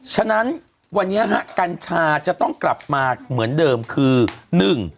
ฉะนั้นวันนี้ฮะกัญชาจะต้องกลับมาเหมือนเดิมคือหนึ่ง